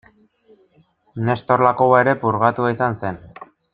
Nestor Lakoba ere purgatua izan zen.